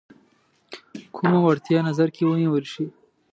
کوم وړتیا نظر کې ونیول شي.